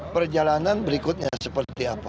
perjalanan berikutnya seperti apa